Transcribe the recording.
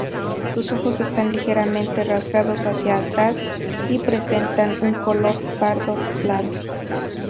Sus ojos están ligeramente rasgados hacia atrás y presentan un color pardo claro.